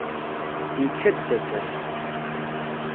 Yečča-d tasa-s.